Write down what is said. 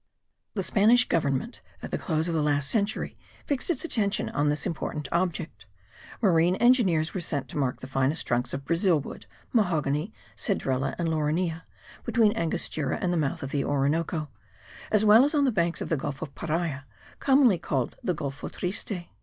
The Spanish Government at the close of the last century fixed its attention on this important object. Marine engineers were sent to mark the finest trunks of Brazil wood, mahogany, cedrela and laurinea between Angostura and the mouth of the Orinoco, as well as on the banks of the Gulf of Paria, commonly called the Golfo triste.